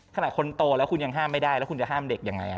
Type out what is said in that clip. คนโตแล้วคุณยังห้ามไม่ได้แล้วคุณจะห้ามเด็กยังไง